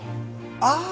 ああ！